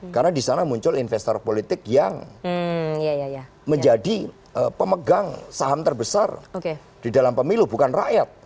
karena disana muncul investor politik yang menjadi pemegang saham terbesar di dalam pemilu bukan rakyat